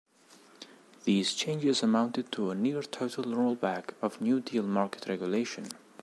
These changes amounted to a near-total rollback of New Deal market regulation.